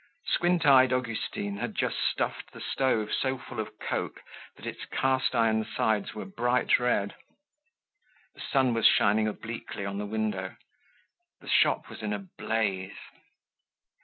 Squint eyed Augustine had just stuffed the stove so full of coke that its cast iron sides were bright red. The sun was shining obliquely on the window; the shop was in a blaze.